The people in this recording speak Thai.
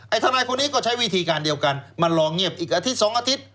ทนายคนนี้ก็ใช้วิธีการเดียวกันมันลองเงียบอีกอาทิตย์๒อาทิตย์